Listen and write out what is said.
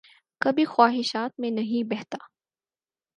کبھی خواہشات میں نہیں بہتا